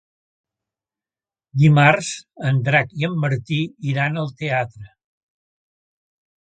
Dimarts en Drac i en Martí iran al teatre.